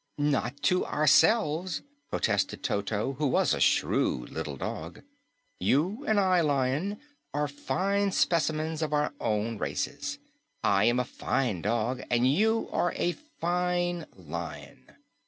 "Not to ourselves," protested Toto, who was a shrewd little dog. "You and I, Lion, are fine specimens of our own races. I am a fine dog, and you are a fine lion.